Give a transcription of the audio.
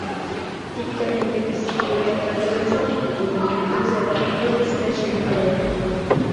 Tipicamente, questi fiori attraggono insetti notturni, incluse molte specie di falene.